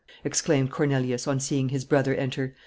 exclaimed Cornelius, on seeing his brother enter.